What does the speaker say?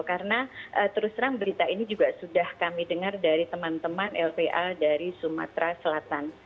karena terus terang berita ini juga sudah kami dengar dari teman teman lpa dari sumatera selatan